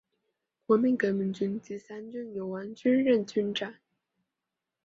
国民革命军第三军由王均任军长。